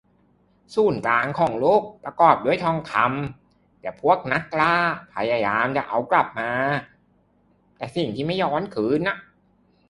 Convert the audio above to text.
ศูนย์กลางของโลกประกอบด้วยทองคำ แต่พวกนักล่าพยายามจะเอากลับมาแต่สิ่งที่ไม่ย้อนคืน